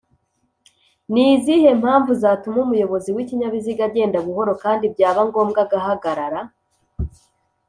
nizihe mpamvu zatuma umuyobozi w’ikinyabiziga agenda buhoro kdi byaba ngombwa agahagarara